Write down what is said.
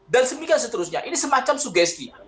dan sebagainya seterusnya ini semacam sugesti